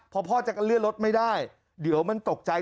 พอพ่อจะกันเลื่อนรถไม่ได้เดี๋ยวมันตกใจ